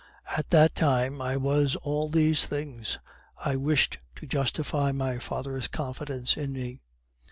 At that time I was all these things. I wished to justify my father's confidence in me.